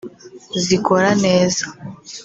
zikora neza